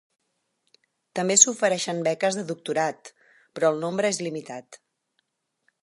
També s'ofereixen beques de doctorat, però el nombre és limitat.